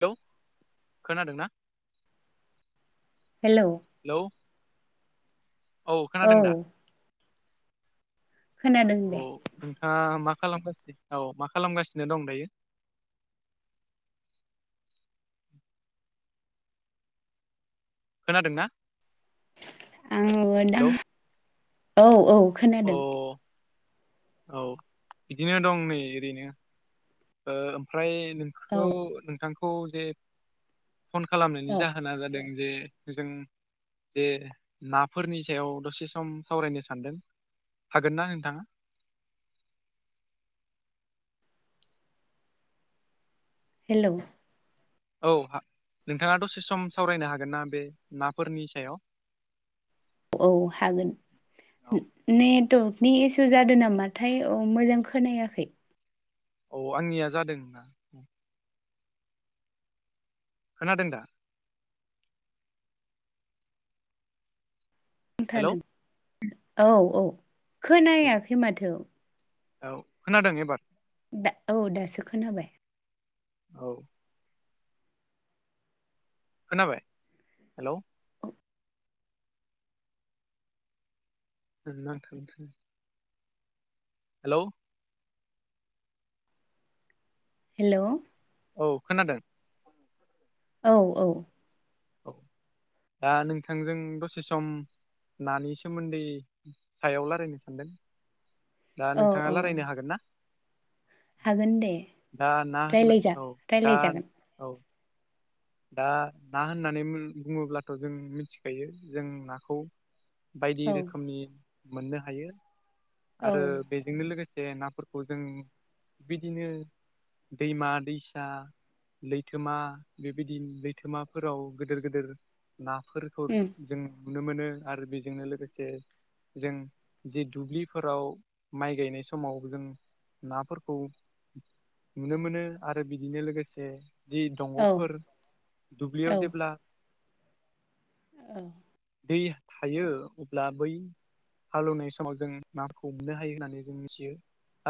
Hello खोनादोंना? Hello hello औ खोनादों दा? खोनादों दे औ नोंथाङा मा खालामगासिनो औ मा खालामगासिनो दं दायो? खोनादों ना? आङो दा औ औ खोनादों। औ औ बिदिनो दं नै ओरैनो ओ ओमफ्राय औ नोंखौ नोंथांखौ जे फन खालामनायनि औ जाहोना जादों जे जों जे नाफोरनि सायाव दसे सम सावरायनो सानदों। हागोन ना नोंथाङा। हेलौ। औ हा नोंथाङा दसे सम सावरायनो हागोन ना बे नाफोरनि सायाव। औ हागोन। औ नेटवर्कनि इसु जादों नामाथाय औ मोजां खोनायाखै। औ आंनिया जादों ना। खोनादों दा। हेलौ बुंथारदों औ औ खोनायाखै माथो। औ खोनादों एबार। दा औ दासो खोनाबाय। औ। खोनाबाय हेलौ। ओ नांथा नांथा। हेलौ। हेलौ औ खोनादों। औ औ। औ दा नोंथांजों दसे सम नानि सोमोन्दै सायाव रालायनो सानदों दा औ नोंथाङा औ रालायनो हागोन ना? हागोन दे दा ना होनना रायलायजा औ दा रायलायजागोन औ। दा ना होननानै बुङोब्लाथ' जों मिथिखायो जों नाखौ बायदि औ रोखोमनि मोननो हायो औ आरो बे जोंनो लोगोसे नाफोरखौ जों बिदिनो दैमा दैसा लैथोमा बेबायदि लैथोमाफोराव गोदोर गोदोर नाफोरखौ उम जों नुनो मोनो आरो बेजोंनो लोगोसे जों जे दुब्लिफोराव माइ गायनाय समाव जों नाफोरखौ नुनो मोनो आरो बिदिनो लोगोसे जि दं औ फोर दुब्लियाव औ जेब्ला औ। दै हायो अब्ला बै हालौवनाय समाव जों नामखौ मोननो हायो होननानै जों मिथियो।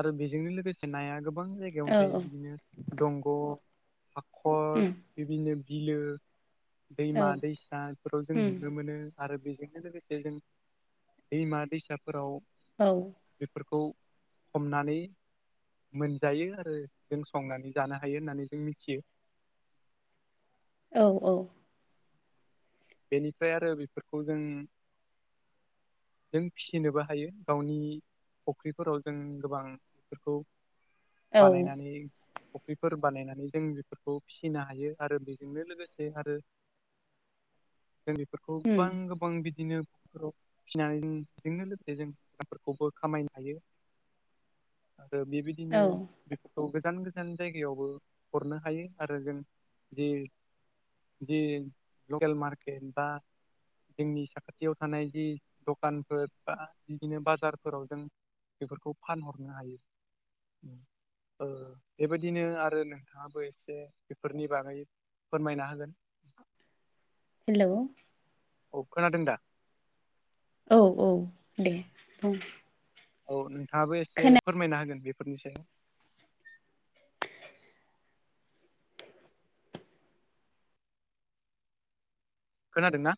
आरो बेजोंनो लोगोसे नाया गोबां जायगा। जायगायावनो औ थायो बिदिनो दंग' हाखर। उम बिबायदिनो बिलो औ दैमा दैसा बेफोराव उम जों। मोनो आरो बेजोंनो लोगोसे जों दैमा दैसाफोराव। औ। बेफोरखौ हमनानै। मोनजायो आरो जों संनानै जानो हायो होननानै जों मिथियो। औ औ। बेनिफ्राय आरो बेफोरखौ जों। जों फिसिनोबो हायो गावनि। फुख्रिफोराव जों गोबां बेफोरखौ औ बानायनानै। कबिफोर बानायनानै जों बेफोरखौ फिसिनो हायो आरो बेजोंनो लोगोसे आरो। दिैफोरखौ उम गोबां गोबां बिदिनो फाव। फिसिनानैजोंोंनो लोगोसे जों बेामफोरखौबो खामायनो हायो। आरो बेबायदिनो। औ बेफोरखौ गोजान गोजान जायगायावबो हरनो हायो आरो जों जि। जि लकेल मार्केट बा। जोंनि साखाथियाव थानाय जि दखानफोर बा बिदिनो बाजारफोराव जों। बेफोरखौ फानहरनो हायो। ओ बेबायदिनो आरो नोंथाङाबो एसे बेफोरनि बागै फोरमायना होगोन हेल' अ खोनादों दा औ औ दे औ औ नोंथाङाबो एसे फोरमायना होगोन बेफोरनि सायाव खोनादों ना।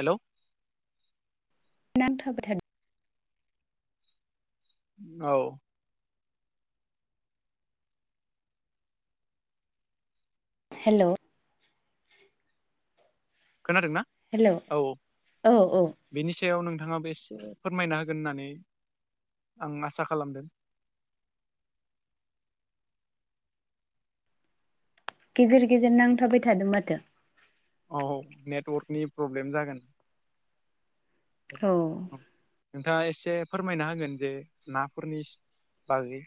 हेल'। नांथाबाय थादों औ। हेल'। खोनादों ना हेल' औ औ। बेनि सायाव नोंथाङाबो एसे फोरमायना होगोन होननानै आं आसा खालामदों गेजेर गेजेर नांथाबाय थादों माथो। औ नेटवर्कनि प्रब्लेम जागोन। औ औ नोंथाङा एसे फोरमायना होगोन जे नाफोरनि बागै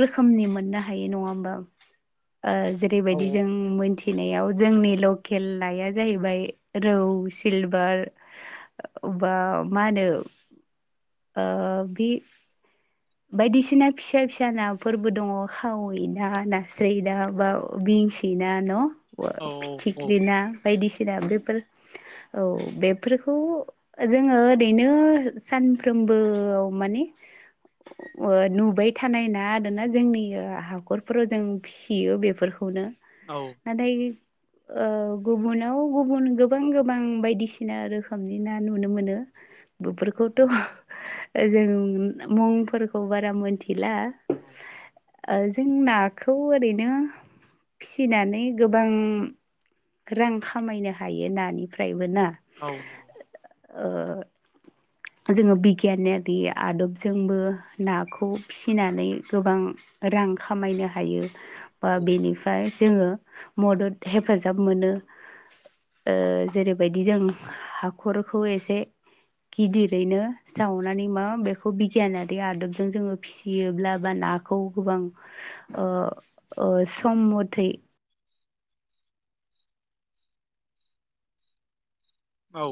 रोखोमनि मोननो हायो नङा होमबा औ जेरैबायदि जों मोनथि फिनायाव जोंनि लकेल लइाया जाहैबाय रौ सिलभार अबा मा होनो आ बि बायदिसिना फिसा फिसा नाफोरबो दङ खावै ना नास्राय ना बा बिंस ना न' औ फिथिख्रि ना बायदिसिना बेफोर औ बेफोरखौ जोङो ओरैनो सानफ्रोमबोआव माने नुबाय थानाय ना आरोना जोंनि हाखरफोराव जों सियो बेफोरखौनो औ। आदै ओ गुबुनाव गुबुन गोबां गोबां बायदिसिना रोखोमनि ना नुनो मोनो। औ बेफोरखौथ'ओ जों मुंफोरखौ बारा मिथिला औ ओ जों नाखौ ओरैनो फिसिनानै गोबां रां खामायनो हायो नानिफ्रायबो ना? औ ओ जोङो बिगियानारि आदबजोंबो नाखौ फिसिनानै गोबां रां खामायनो हायो ओ बेनि फ्राय जोङो मदद हेफाजाब मोनो। ओ जेरैबायदि जों हाखरखौ एसे गिदिरैनो सावनानै मा बेखौ बिगियाना रि आदबजों जोङो फिसियोब्ला बा नाखौ गोबां ओ ओ सम मथै औ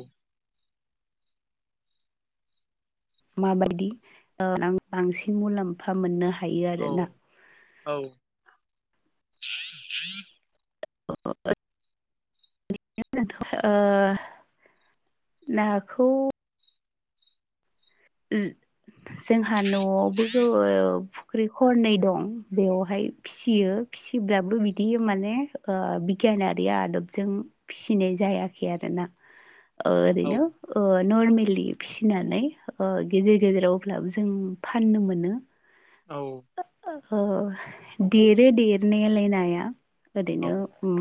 माबायदि बांसिन ओ मुलाम्फा मोननो हायो आरोना। औ [unintelligible] [unintelligible] ओ नाखौ जोंहा न'आवबो गो फुख्रि खरनै दं बेवहाय फिसियो फिसिब्लाबो बिदि माने ओ बिगियानारि आदबजों फिसिनाय जायाखै आरोना ओ औ ओरैनो नर्मेलि फिसिनानै ओ गेजेर गेजेराव अब्लाबो जों फाननो मोनो। औ ओ देरो देरनायालाय नाया औ ओरैनो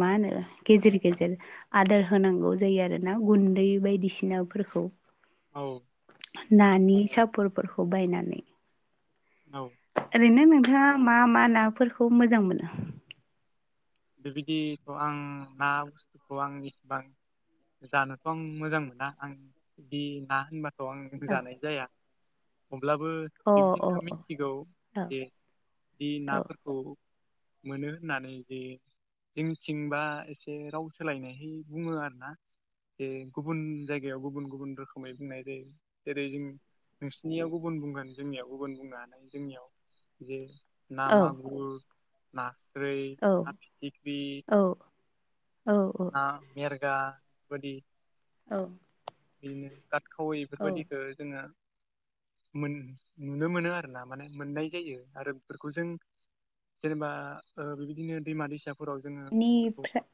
मा होनो गेजेर गेजेर आदार होनांगौ जायो आरोना गुन्दै बायदिसिनाफोरखौ। औ नानि सापरफोरखौ बायनानै औ ओरैनो नोंथाङा मा मा नाफोरखौ मोजां मोनो? बेबायदिखौ आं ना बुस्थुखौ आं इसेबां जानोथ' आं मोजां मोना आं बिदि ना होनबा थ' आं जानाय जाया अब्लाबो औ अ बिबायदिनो थिगौ अ जे बे अ नाफोरखौ मोनो होननानै जे जोंनिथिंबा एसे राव सोलायनायै बुङो आरो ना। जे गुबुन जायगायाव गुबुन गुबुन रोखोमै बुंनाय जायो जेरै जों नोंसिनियाव गुबुन बुंगोन जोंनियाव गुबुन बुंनो जोंनियाव जे ना औ मागुर, नास्रै, औ ना फिथिख्रि औ औ ना मेरगा बे बायदि औ बिदिनो गातखावै औ बेफोरबायदिखौ जोङो मोन नुनो मोनो आरो ना माने मोननाय जायो आरो बेफोरखौ जों जेनेबा ओ बेबायदिनो दैमा दैसाफोराव जोङो बेफोरखौ बेनिफ्राय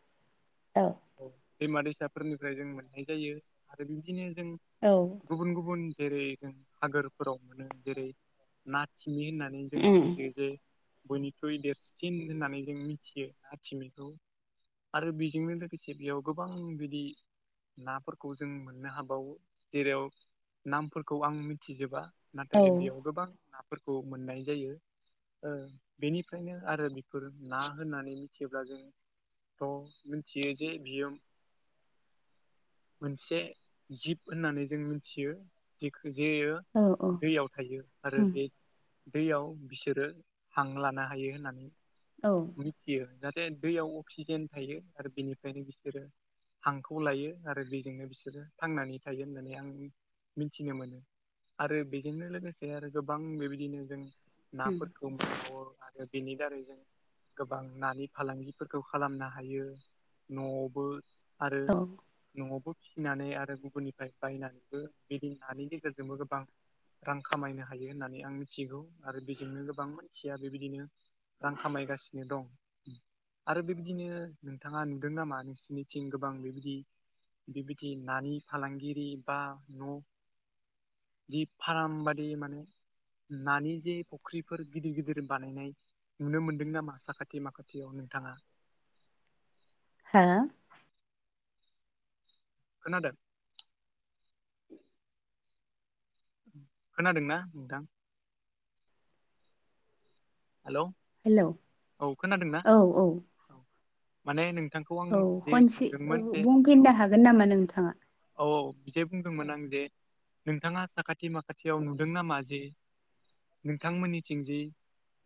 औ दैमा दैसाफोरनिफ्राय जों मोननाय जायो आरो बिदिनो जों औ गुबुन गुबुन जेरै जों हागोरफोराव मोनो जेरै नाथिमि होननानै जों उम मिथियो जे बयनिख्रुइ देरसिन होननानै जों मिथियो नाथिमैखौ। आरो बेजोंनो लोगोसे बेयाव गोबां बिदि नाफोर खौ जों मोननो हाबावो जेराव नामफोरखौ आं मिथिजोबा। औ नाथाय बेयाव गोबां नाफोरखौ मोननाय जायो। ओ बेनिफ्रायनो आरो बेफोर ना होननानै मिथियोब्ला जों थ' मिथियो जे बियो मोनसे जिब होननानै जों मिथियो जेखो जेयो औ औ दैयाव थायो आरो उम बे दैयाव बिसोरो हां लानो हायो होननानै औ उम मिथियो जाहाथे दैयाव अक्सिजेन थायो आरो बेनिफ्रायनो बिसोरो हांखौ लायो आरो दैजोंनो बिसोरो थांनानै थायो होननानै आं मिथिनो मोनो। आरो बेजोंनो लोगोसे आरो गोबां बेबायदिनो जों औ नाफोरखौ मोनबावो आरो बेनि दारै जों गोबां नानि फालांगिफोरखौ खालामनो हायो न'आवबो आरो हो न'आवबो फिसिनानै आरो गुबुननिफ्राय बायनानैबो बेदि नानि गेजेरजोंबो गोबां रां खामायनो हायो होननानै आं मिथिगौ आरो बेजोंनो गोबां मानसिया बेबायदिनो रां खामायगासिनो दं। आरो बेबायदिनो नोंथाङा नुदों नामा नोंसोरनिथिं गोबां बेबायदि बेबायदि नानि फालांगिरि बा न' जि फार्म बादि माने नानि जे फुख्रिफोर गिदिर गिदिर बानायनाय नुनो मोनदों नामा साखाथि माखाथियाव नोंथाङा? हा? खोनादों? खोनादोंना नोंथां? हेल औ खोनादों ना औ औ औ माने नोंथांखौ आं जे सोंदोंमोन जे औ गोन नामा नोंथाङा? औ औ जे बुंदोंमोन आं जे नोंथाङा साखाथि माखाथियाव नुदों नामा जे नोंथांमोननिथिंजे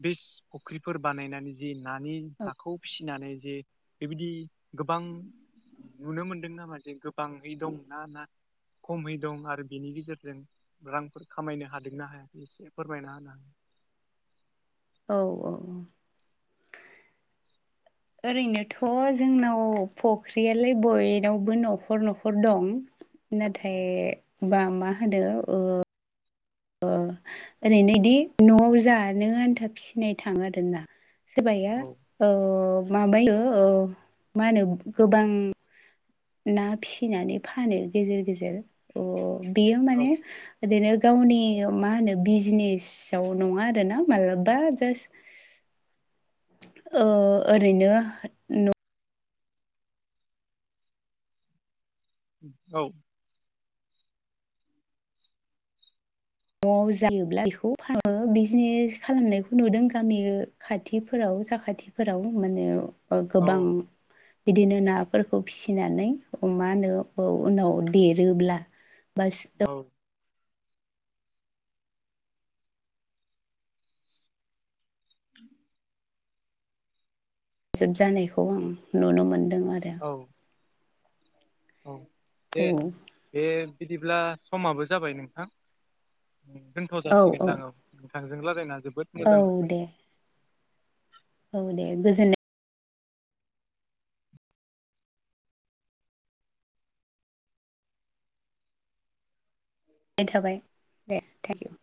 बेस फुख्रिफोर बानायनानै जि नानि औ नाखौ फिसिनानै जे बेबायदि गोबां नुनो मोनदों नामा जे गोबाङै दंना ना खमै दं आरो बेनि गेजेरजों रांफोर खामायनो हादोंना हायाखै एसे फोरमायना होना हा औ औ औ ओरैनोथ' जोंनाव फख्रियालाय बयनावबो नखर नखर दं। नाथाय बा मा होनो ओ ओ ओरैनोदि नआव जानो आन्था फिसिनाय थाङो आरोना। सोरबाया औ माबायो ओ मा होनो गोबां ना फिसिनानै फानो गेजेर गेजेर अ बेयो माने ओरैनो गावनि मा होनो बिजनेसाव नङा आरोना मालाबा जास्ट ओ ओरैनो औ नआव जायोब्ला बेखौ फार बिजनेस खालामनायखौ नुदों गामि खाथिफोराव साखाथिफोराव माने ओ औ गोबां बिदिनो नाफोरखौ फिसिनानै अमा नो उनाव देरोब्ला बास औ [unintelligible] जानायखौ आं नुनो मोनदों आरो। औ औ औ दे औ दे बिदिब्ला समाबो जाबाय नोंथां। दोनथ' जासिगोनदां औ नोंथांजों रायज्लायना जोबोद औ मोजां मोनबाय। दे औ दे गोजोननाय नाय थाबाय दे थेंक इउ